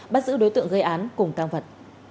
bắt giữ đối tượng gây án cùng tăng vật